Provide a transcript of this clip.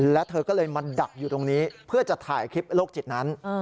และเธอก็เลยมาดักอยู่ตรงนี้เพื่อจะถ่ายคลิปโลกจิตนั้น